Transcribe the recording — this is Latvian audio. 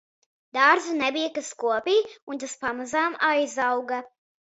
Dārzu nebija, kas kopj un tas pamazām aizauga